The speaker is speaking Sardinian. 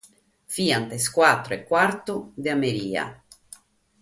Fiant sas bator e cuartu de sero.